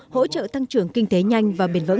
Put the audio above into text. hỗ trợ tăng trưởng kinh tế nhanh và bền vững